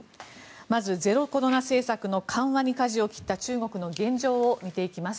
まずゼロコロナの政策の緩和にかじを切った中国の現状を見ていきます。